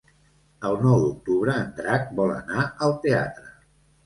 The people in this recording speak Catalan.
El nou d'octubre en Drac vol anar al teatre.